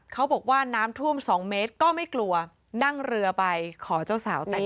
เขาบอกว่าน้ำท่วม๒เมตรก็ไม่กลัวนั่งเรือไปขอเจ้าสาวแต่ง